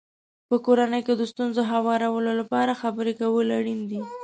په کورنۍ کې د ستونزو هوارولو لپاره خبرې کول اړین دي.